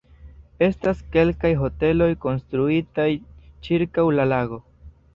Estas kelkaj hoteloj konstruitaj ĉirkaŭ la lago.